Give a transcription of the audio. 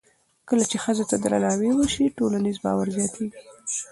کله چې ښځو ته درناوی وشي، ټولنیز باور زیاتېږي.